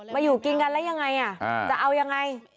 อยู่กินกันแล้วยังไงจะเอายังไง